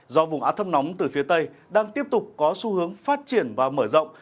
do vùng át thâm nóng từ phía tây đang tiếp tục có xu hướng phát triển và mở rộng